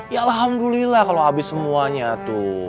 ya alhamdulillah kalau habis semuanya tuh